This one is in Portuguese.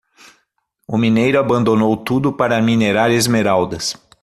O mineiro abandonou tudo para minerar esmeraldas.